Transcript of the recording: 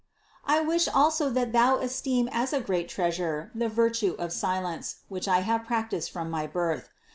386. I wish also that thou esteem as a great treasure the virtue of silence, which I have practiced from my birth.